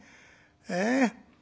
ええ？